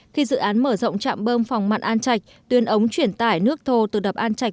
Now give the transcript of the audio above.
khi dự án mở rộng trạm bơm phòng mặn an trạch tuyên ống chuyển tải nước thô từ đập an trạch